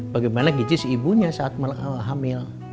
bagaimana gizi si ibunya saat hamil